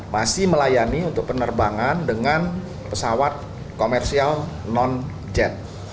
masih melayani untuk penerbangan dengan pesawat komersial non jet